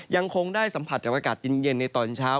ยังคงได้สัมผัสกับอากาศเย็นในตอนเช้า